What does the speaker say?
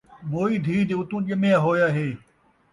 موئی دھی دے اُتوں ڄمیا ہویا ہے